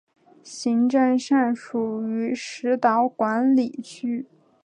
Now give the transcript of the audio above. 行政上属于石岛管理区。